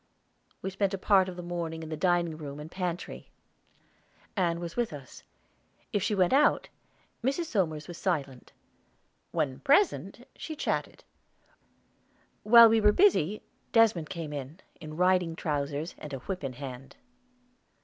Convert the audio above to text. We spent a part of the morning in the dining room and pantry. Ann was with us. If she went out, Mrs. Somers was silent; when present she chatted. While we were busy Desmond came in, in riding trousers and whip in hand.